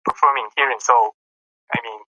د زړو اختلافاتو له امله کینه زیږیږي.